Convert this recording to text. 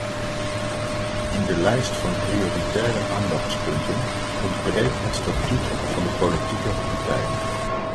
In de lijst van prioritaire aandachtspunten ontbreekt het statuut van de politieke partijen.